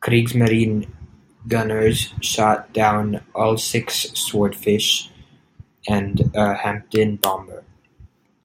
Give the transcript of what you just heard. "Kriegsmarine" gunners shot down all six Swordfish and a Hampden bomber.